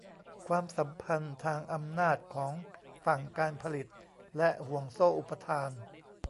ความสัมพันธ์ทางอำนาจของฝั่งการผลิตและห่วงโซ่อุปทาน